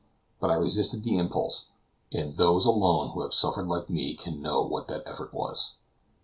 But I resisted the impulse, and those alone who have suffered like me can know what the effort was.